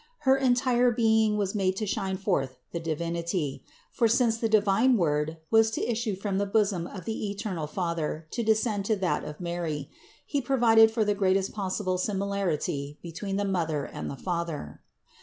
Her entire being was made to shine forth the Divinity; for since the divine Word was to issue from the bosom of the eternal Father to descend to that of Mary, He provided for the greatest possible similarity between the Mother and the Father.